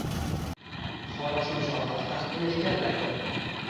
Xorazmshohlar taxtini egallaydi